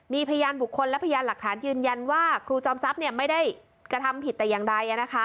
มีพยานบุคคลและพยานหลักฐานยืนยันว่าครูจอมทรัพย์ไม่ได้กระทำผิดแต่อย่างใด